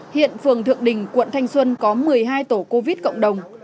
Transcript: hiện phường thượng đình quận thanh xuân có một mươi hai tổ covid cộng đồng